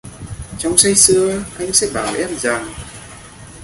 Trong say sưa, anh sẽ bảo em rằng: